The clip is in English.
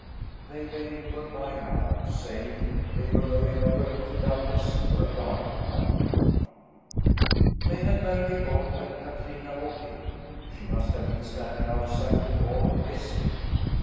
They bade him good bye now, saying they were going over to Doveness to a garden party. They had barely gone when Katrina walked in. She must have been standing outside the door listening.